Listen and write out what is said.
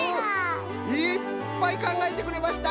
いっぱいかんがえてくれました！